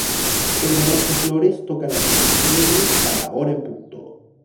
El reloj de flores toca las músicas alegres cada hora en punto.